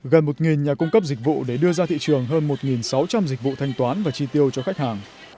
gần một nhà cung cấp dịch vụ để đưa ra thị trường hơn một sáu trăm linh dịch vụ thanh toán và chi tiêu cho khách hàng